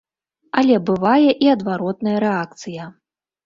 Але бывае і адваротная рэакцыя.